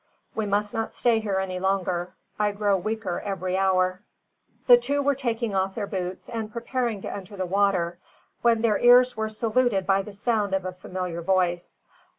We must not stay here any longer. I grow weaker every hour." The two were taking off their boots and preparing to enter the water, when their ears were saluted by the sound of a familiar voice.